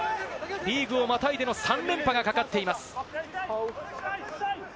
リーグをまたいでの３連覇がかかっています。